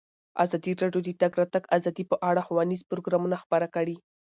ازادي راډیو د د تګ راتګ ازادي په اړه ښوونیز پروګرامونه خپاره کړي.